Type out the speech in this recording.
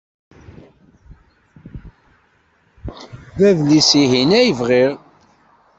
D adlis-ihin ay bɣiɣ.